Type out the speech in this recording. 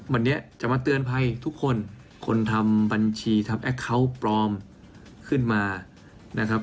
วันนี้จะมาเตือนภัยทุกคนคนทำบัญชีทำแอคเคาน์ปลอมขึ้นมานะครับ